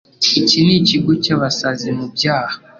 Iki nikigo cyabasazi mubyaha .